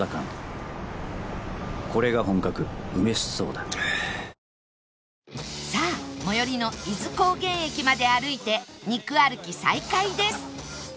続くさあ最寄りの伊豆高原駅まで歩いて肉歩き再開です